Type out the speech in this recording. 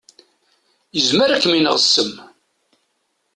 Izmer ad kem-ineɣ ssem.